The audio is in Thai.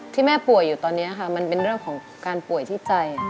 แม่ป่วยอยู่ตอนนี้ค่ะมันเป็นเรื่องของการป่วยที่ใจ